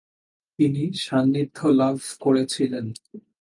তিনি সান্নিধ্য লাভ করেছিলেন।